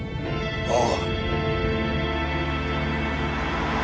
ああ。